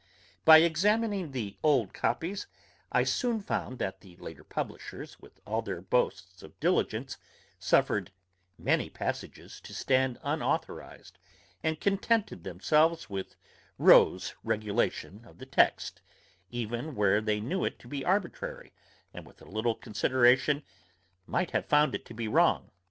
By examining the old copies, I soon found that the later publishers, with all their boasts of diligence, suffered many passages to stand unauthorised, and contented themselves with Rowe's regulation of the text, even where they knew it to be arbitrary, and with a little consideration might have found it to be wrong.